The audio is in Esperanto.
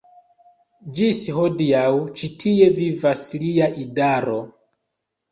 Ĝis hodiaŭ ĉi tie vivas lia idaro.